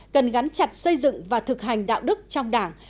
hắn chặt xây dựng và thực hành đạo đức trong đảng